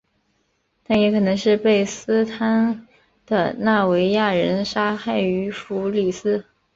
但也可能是被斯堪的纳维亚人杀害于福里斯。